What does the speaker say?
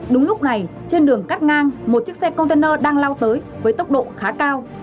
đúng lúc này trên đường cắt ngang một chiếc xe container đang lao tới với tốc độ khá cao